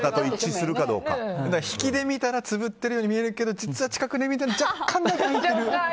引きで見たらつむっているように見えるけど実は近くで見たら若干開いてる。